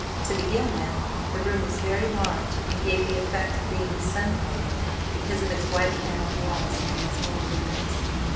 To begin with, the room was very large, and gave the effect of being a sun parlor because of its white panelled walls and its many windows.